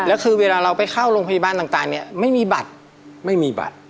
แล้วคือเวลาเราไปเข้าโรงพยาบาลต่างเนี่ยไม่มีบัตรไม่มีบัตร